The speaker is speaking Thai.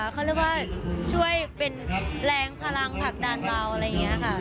เขาเรียกว่าช่วยเป็นแรงพลังผลักดันเราอะไรอย่างนี้ค่ะ